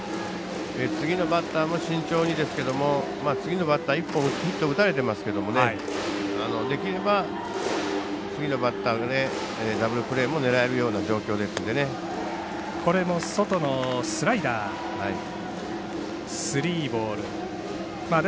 次のバッターも慎重にですけれども次のバッター１本ヒット打たれていますけどできれば、次のバッターダブルプレーも狙えるような状況ですので。